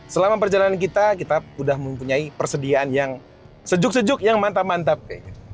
selama perjalanan kita kita sudah mempunyai persediaan yang sejuk sejuk yang mantap mantap